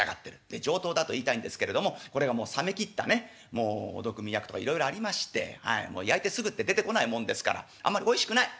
上等だと言いたいんですけれどもこれがもう冷め切ったねお毒味役とかいろいろありまして焼いてすぐって出てこないもんですからあんまりおいしくない。